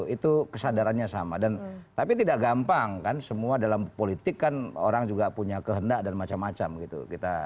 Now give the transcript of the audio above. itu kesadarannya sama dan tapi tidak gampang kan semua dalam politik kan orang juga punya kehendak dan macam macam gitu